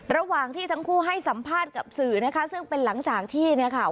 ระหว่างที่ทั้งคู่ให้สัมภาษณ์กับสื่อนะคะซึ่งเป็นหลังจากที่เนี่ยค่ะ